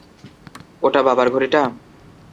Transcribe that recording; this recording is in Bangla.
ওটা বাবার ঘড়িটা?